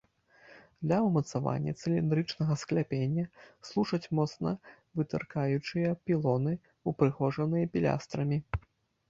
Для ўмацавання цыліндрычнага скляпення служаць моцна вытыркаючыя пілоны, упрыгожаныя пілястрамі.